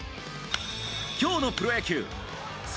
今日のプロ野球侍